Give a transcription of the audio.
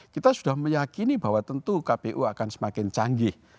kita sudah meyakini bahwa tentu kpu akan semakin canggih